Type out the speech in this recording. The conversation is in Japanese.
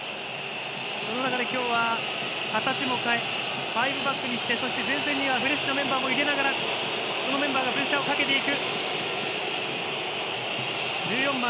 その中で今日は、形も変え５バックにしてそして、前線にはフレッシュなメンバーを入れながらそのメンバーがプレッシャーをかけていく。